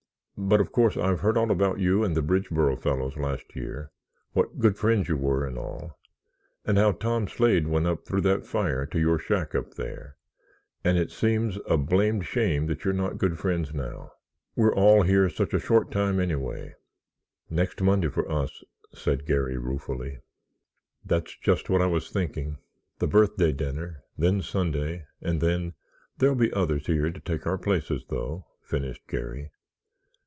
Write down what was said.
But, of course, I've heard all about you and the Bridgeboro fellows last year—what good friends you were and all, and how Tom Slade went up through that fire to your shack up there, and it seems a blamed shame that you're not good friends now. We're all here such a short time anyway——" "Next Monday for us," said Garry, ruefully. "That's just what I was thinking. The birthday dinner, then Sunday and then——" "There'll be others here to take our places though," finished Garry.